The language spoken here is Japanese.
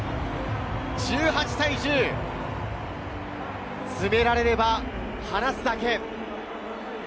１８対１０、詰められれば離すだけ。